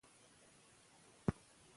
د مور تغذيه د ماشوم روغتيا اغېزمنوي.